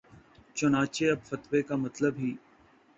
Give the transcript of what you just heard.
چنانچہ اب فتوے کا مطلب ہی